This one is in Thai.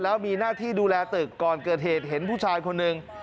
แล้วมีหน้าที่ดูแลตึกก่อนเกิดเหตุเห็นผู้ชายคนหนึ่ง